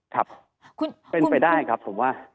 ครับเป็นไปได้ครับผมว่า